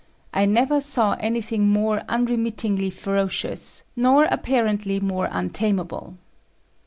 I never saw anything more unremittingly ferocious, nor apparently more untamable.